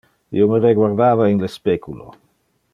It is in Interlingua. Io me reguardava in le speculo.